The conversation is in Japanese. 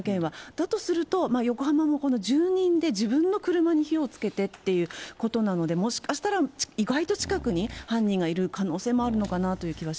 だとすると、横浜も、住人で自分の車に火をつけてということなので、もしかすると意外と近くに犯人がいる可能性もあるのかなという気